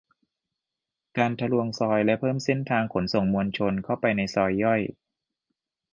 การทะลวงซอยและเพิ่มเส้นทางขนส่งมวลชน เข้าไปในซอยย่อย